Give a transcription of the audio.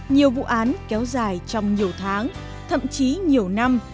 nhiều vụ án kéo dài trong nhiều tháng thậm chí nhiều năm